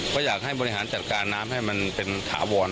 ก็อยากให้บริหารจัดการน้ำให้มันเป็นถาวร